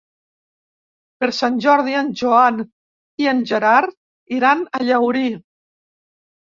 Per Sant Jordi en Joan i en Gerard iran a Llaurí.